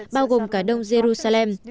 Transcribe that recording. bao gồm cả đông jerusalem